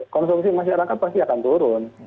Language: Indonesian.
konsumsi masyarakat pasti akan turun